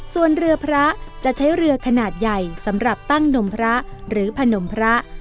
ส่วนเรือพระจะใช้เรือขนาดใหญ่สำหรับตั้งนมพระหรือพนมพระ